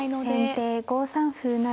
先手５三歩成。